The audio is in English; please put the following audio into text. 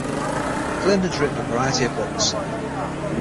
Flynn has written a variety of books.